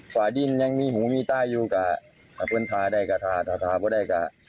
ฝ่าดินยังมีหูมีต้ายอยู่กับเพื่อนท้าได้กับท้าท้าท้าพอได้กับ